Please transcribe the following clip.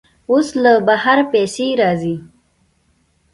اوس له بهر پیسې راځي.